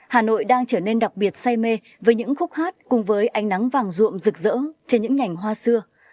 hà nội đang trở nên đặc biệt say mê với những khúc hát cùng với ánh nắng vàng ruộm rực rỡ trên những ngành hoa xưa